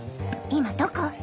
今どこ？